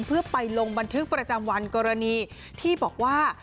เพื่อไปลงบันทึกประจำวันกรณีที่บอกว่า